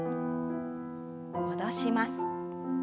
戻します。